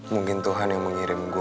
mungkin tuhan yang mengirim gue